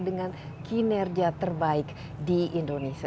dengan kinerja terbaik di indonesia